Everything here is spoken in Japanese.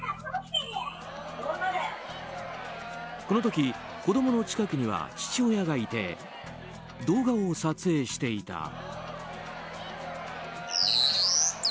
この時子供の近くには父親がいて動画を撮影していた。